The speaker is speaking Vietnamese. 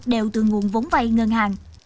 đều từ nguồn vốn vay ngân hàng